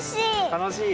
たのしい？